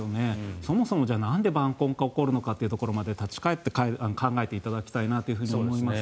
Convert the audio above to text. そもそも、なんで晩婚化が起こるのかというところまで立ち返って考えていただきたいと思います。